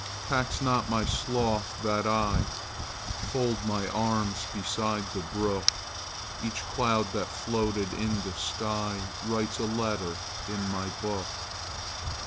Tax not my sloth that IFold my arms beside the brook; Each cloud that floated in the skyWrites a letter in my book.